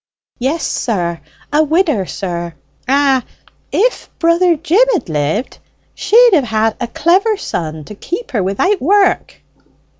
"Yes, sir: a widder, sir. Ah, if brother Jim had lived she'd have had a clever son to keep her without work!"